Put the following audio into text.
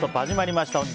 始まりました。